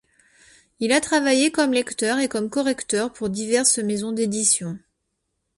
Il a travaillé comme lecteur et comme correcteur pour diverses maisons d'édition.